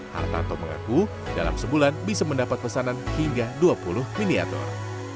hartanto mengaku dalam sebulan bisa mendapat pesanan hingga dua puluh miniatur